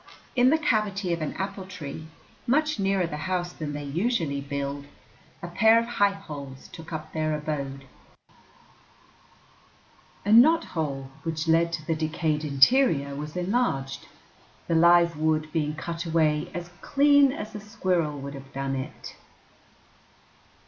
In the cavity of an apple tree, much nearer the house than they usually build, a pair of high holes took up their abode. A knot hole which led to the decayed interior was enlarged, the live wood being cut away as clean as a squirrel would have done it.